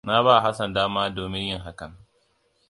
Na ba Hassan dama da yawa domin yin hakan.